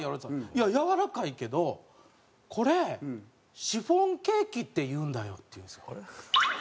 「いややわらかいけどこれシフォンケーキっていうんだよ」って言うんですよ。